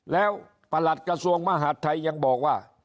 แล้วประหลัดกระทรวงมหาดไทยยังบอกว่า